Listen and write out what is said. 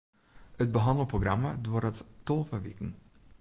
It behannelprogramma duorret tolve wiken.